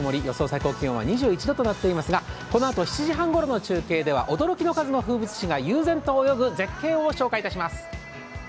最高気温は２１度となっていますがこのあと７時半ごろの中継では驚きの数の風物詩が悠然と泳ぐ絶景をご紹介いたします。